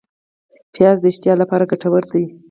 پیاز د اشتها لپاره ګټور دی